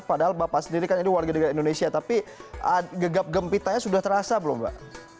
padahal bapak sendiri kan ini warga negara indonesia tapi gegap gempitanya sudah terasa belum mbak